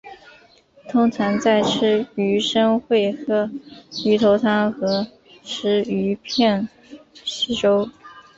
通常在吃鱼生会喝鱼头汤和吃鱼片稀粥。